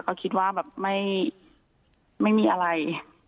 ก็คิดว่าแบบไม่มีอะไร